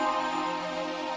lalu mencari kakak